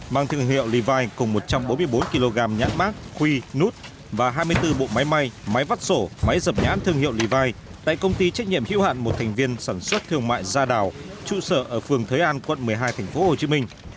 mang thương hiệu live cùng một trăm bốn mươi bốn kg nhãn mát khuy nút và hai mươi bốn bộ máy may máy máy vắt sổ máy dập nhãn thương hiệu lì vai tại công ty trách nhiệm hữu hạn một thành viên sản xuất thương mại gia đào trụ sở ở phường thới an quận một mươi hai tp hcm